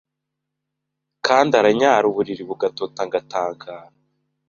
kandi aranyara uburiri bugatota ngatangara